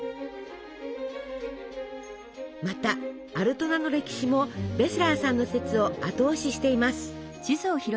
またアルトナの歴史もベセラーさんの説を後押ししています。